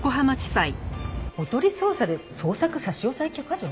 おとり捜査で捜索差押許可状！？